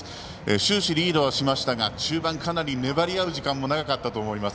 終始リードはしましたが粘り合う時間も長かったと思います。